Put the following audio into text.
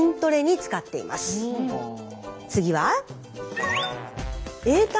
次は。